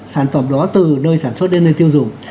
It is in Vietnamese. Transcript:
sản phẩm đó từ nơi sản xuất đến nơi tiêu dùng